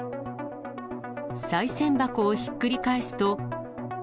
さい銭箱をひっくり返すと。